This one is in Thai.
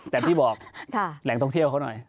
แต่พี่บอกแหล่งท่องเที่ยวเขาหน่อย